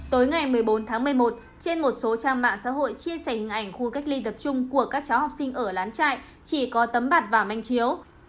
tối ngày một mươi bốn tháng một mươi một trên một số trang mạng xã hội chia sẻ hình ảnh khu cách ly tập trung của các cháu học sinh ở lán trại chỉ có tấm bạt và manh chiếu